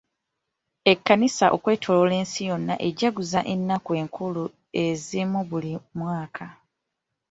Ekkanisa okwetooloola ensi yonna ejaguza ennaku enkulu ezimu buli mwaka.